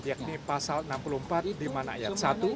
yakni pasal enam puluh empat di mana ayat satu